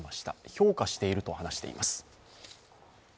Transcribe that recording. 評価していると話しています。